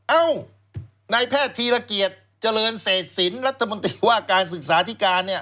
เอ้านายแพทย์ธีรเกียจเจริญเศษศิลป์รัฐมนตรีว่าการศึกษาธิการเนี่ย